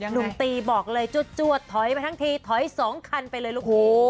หนุ่มตีบอกเลยจวดถอยไปทั้งทีถอย๒คันไปเลยลูก